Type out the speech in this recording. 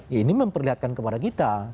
ya ini memperlihatkan kepada kita